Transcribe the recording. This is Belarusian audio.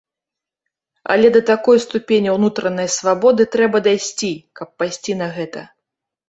Але да такой ступені ўнутранай свабоды трэба дайсці, каб пайсці на гэта!